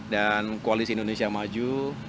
dan koalisi indonesia maju